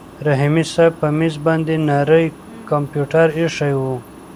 رحیمي صیب په مېز باندې نری کمپیوټر ایښی و.